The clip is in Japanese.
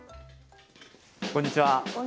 こんにちは。